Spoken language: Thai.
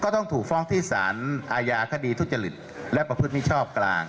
ที่สารอาญาคดีทุจริตและประพฤติมิชอบกลาง